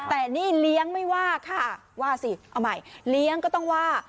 แต่นี่เลี้ยงไม่ว่าค่ะว่าสิเอาใหม่เลี้ยงก็ต้องว่า